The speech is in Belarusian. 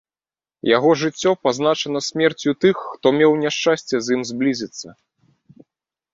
Яго жыццё пазначана смерцю тых, хто меў няшчасце з ім зблізіцца.